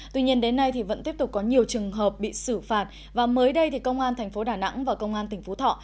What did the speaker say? tuy nhiên đến nay vẫn tiếp tục có nhiều trường hợp bị xử phạt và mới đây công an tp đà nẵng và công an tp thọ